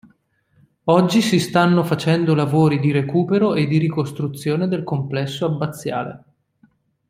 Oggi si stanno facendo lavori di recupero e di ricostruzione del complesso abbaziale.